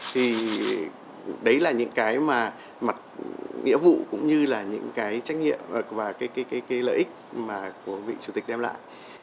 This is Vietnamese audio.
thì đấy là những cái mà mặt nghĩa vụ cũng như là những cái trách nhiệm và cái lợi ích mà của vị chủ tịch đem lại